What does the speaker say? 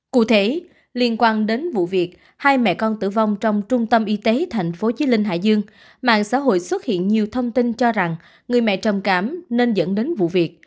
cụ thể liên quan đến vụ việc hai mẹ con tử vong trong trung tâm y tế tp hcm mạng xã hội xuất hiện nhiều thông tin cho rằng người mẹ trầm cảm nên dẫn đến vụ việc